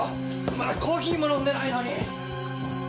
まだコーヒーも飲んでないのに。